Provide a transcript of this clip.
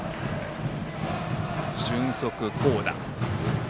俊足巧打。